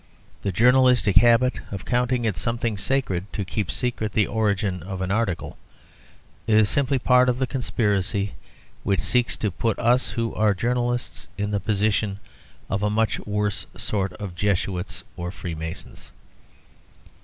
The journalistic habit of counting it something sacred to keep secret the origin of an article is simply part of the conspiracy which seeks to put us who are journalists in the position of a much worse sort of Jesuits or Freemasons.